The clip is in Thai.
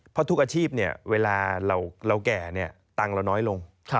เพราะทุกอาชีพเวลาเราแก่ตังค์เราน้อยลง